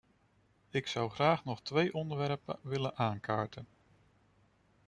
Ik zou graag nog twee onderwerpen willen aankaarten.